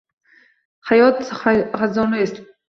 Hayot xazonrez